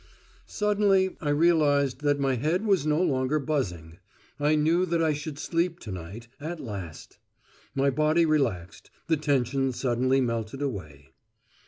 Suddenly I realised that my head was no longer buzzing. I knew that I should sleep to night at last! My body relaxed: the tension suddenly melted away.